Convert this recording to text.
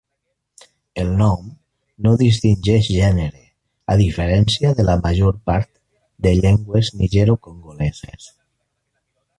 El nom no distingeix gènere, a diferència de la major part de llengües nigerocongoleses.